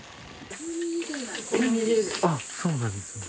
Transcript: あっそうなんですね。